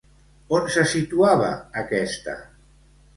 On se situava aquesta?